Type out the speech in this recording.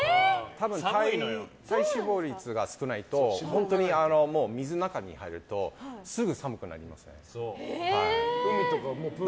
多分、体脂肪率が少ないと本当に水の中に入るとすぐ寒くなります。